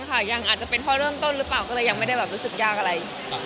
ก็จะเริ่มต้นหรือเปล่าก็เลยยังไม่ได้รู้สึกยากอะไร